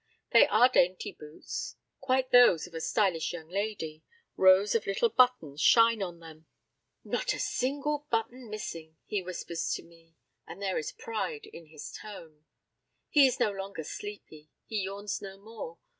They are dainty boots quite those of a stylish young lady; rows of little buttons shine on them. "Not a single button missing," he whispers to me, and there is pride in his tone. He is no longer sleepy; he yawns no more.